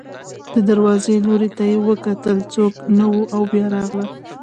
د دروازې لوري ته یې وکتل، څوک نه و او بیا راغله.